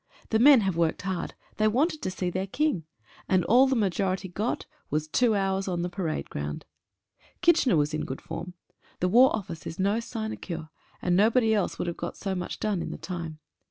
The men have worked hard, they wanted to see their King — and all the majority got was two hours on the parade ground. Kitchener was in good form. The War Office is no sinecure, and nobody 9 SOME TROUBLES. else would have got so much done in the time.